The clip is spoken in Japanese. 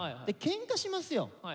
けんかしますよ。